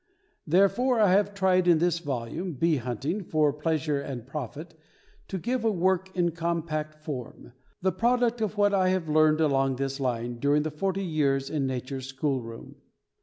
Therefore, I have tried, in this volume, Bee Hunting for Pleasure and Profit, to give a work in compact form, the product of what I have learned along this line during the forty years in nature's school room.